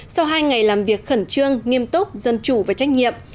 sau hai ngày làm việc khẩn trương nghiêm túc dân chủ và trách nhiệm